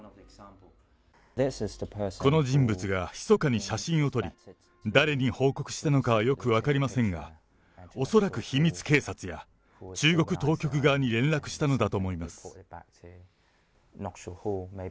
この人物がひそかに写真を撮り、誰に報告したのかはよく分かりませんが、恐らく秘密警察や、中国当局側に連絡したのだと思います。